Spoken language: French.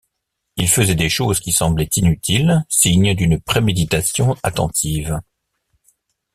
Il faisait des choses qui semblaient inutiles, signe d’une préméditation attentive.